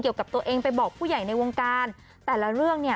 เกี่ยวกับตัวเองไปบอกผู้ใหญ่ในวงการแต่ละเรื่องเนี่ย